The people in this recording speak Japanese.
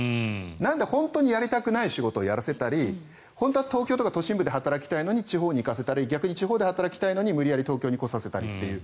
なので、本当にやりたくない仕事をやらせたり本当は東京とか都心部で働きたいのに地方に行かせたり逆に地方で働きたいのに無理やり東京に来させたりという。